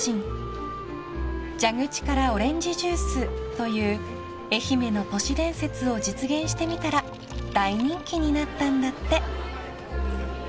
［「蛇口からオレンジジュース」という愛媛の都市伝説を実現してみたら大人気になったんだって］